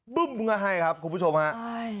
บึ้มกระไห้ครับคุณผู้ชมครับ